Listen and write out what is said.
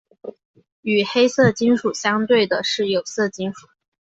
与黑色金属相对的是有色金属。